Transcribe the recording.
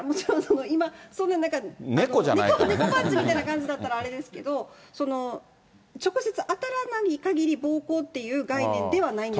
だからもちろん、今そんな、猫パンチみたいな感じだったらあれですけど、直接当たらないかぎり暴行っていう概念ではないんです。